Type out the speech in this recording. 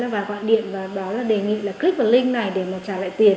và gọi điện và báo là đề nghị là click vào link này để mà trả lại tiền